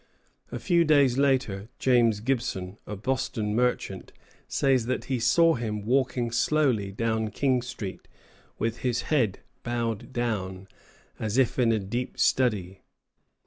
A few days later, James Gibson, a Boston merchant, says that he saw him "walking slowly down King Street, with his head bowed down, as if in a deep study."